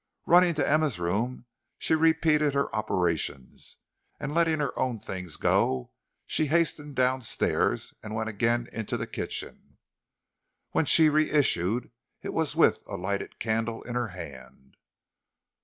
Running to Emma's room, she repeated her operations; and letting her own things go, hastened down stairs and went again into the kitchen. When she reissued it was with a lighted candle in her hand.